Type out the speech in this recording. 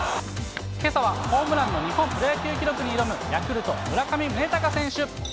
けさはホームランの日本プロ野球記録に挑むヤクルト、村上宗隆選手。